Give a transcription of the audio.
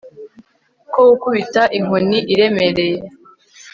Ko gukubita inkoni iremereye